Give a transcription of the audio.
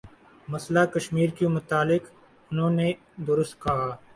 مسئلہ کشمیر کے متعلق انہوں نے درست کہا